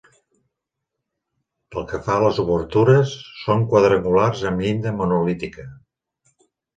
Pel que fa a les obertures, són quadrangulars amb llinda monolítica.